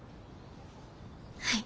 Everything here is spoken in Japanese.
はい。